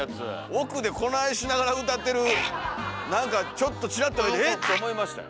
奥でこないしながら歌ってるなんかちょっとチラッと見えて「えっ⁉」と思いましたよ。